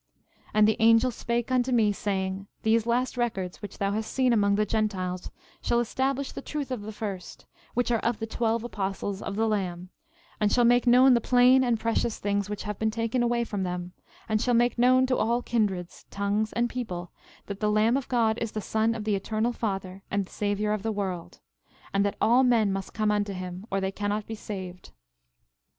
13:40 And the angel spake unto me, saying: These last records, which thou hast seen among the Gentiles, shall establish the truth of the first, which are of the twelve apostles of the Lamb, and shall make known the plain and precious things which have been taken away from them; and shall make known to all kindreds, tongues, and people, that the Lamb of God is the Son of the Eternal Father, and the Savior of the world; and that all men must come unto him, or they cannot be saved.